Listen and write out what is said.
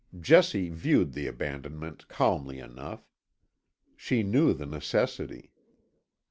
Jessie viewed the abandonment calmly enough—she knew the necessity.